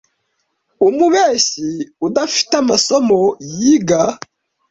umubeshyi udafite amasomo yiga